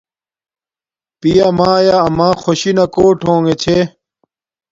پیامایا اما خوشی نا کوٹ ہونگے چھے